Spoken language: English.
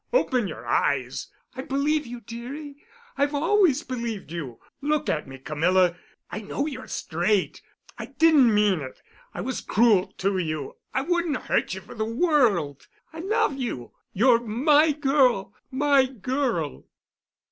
Open your eyes. I believe you, dearie; I've always believed you. Look at me, Camilla. I know you're straight. I didn't mean it. I was cruel to you. I wouldn't hurt you for the world. I love you. You're my girl—my girl."